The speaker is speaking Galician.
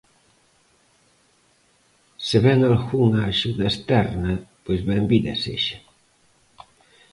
Se vén algunha axuda externa, pois benvida sexa.